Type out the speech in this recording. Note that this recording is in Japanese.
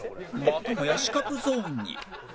またもや死角ゾーンに